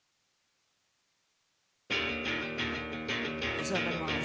お世話になります。